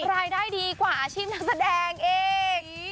รายได้ดีกว่าอาชีพนักแสดงอีก